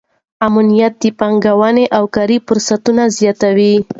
امنیت د پانګونې او کار فرصتونه زیاتوي.